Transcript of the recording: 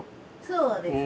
そうです。